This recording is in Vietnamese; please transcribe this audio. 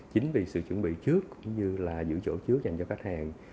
chính vì sự chuẩn bị trước cũng như là giữ chỗ chứa dành cho khách hàng